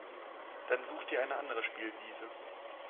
Dann such dir eine andere Spielwiese.